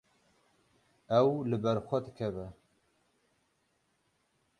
Ew li ber xwe dikeve.